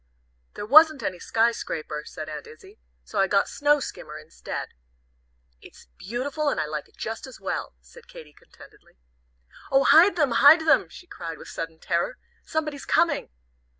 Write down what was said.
"There wasn't any Sky Scraper," said Aunt Izzie, "so I got 'Snow Skimmer' instead." "It's beautiful, and I like it just as well," said Katy contentedly. "Oh, hide them, hide them!" she cried with sudden terror, "somebody's coming."